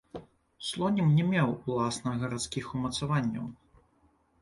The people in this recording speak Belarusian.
Слонім не меў уласна гарадскіх умацаванняў.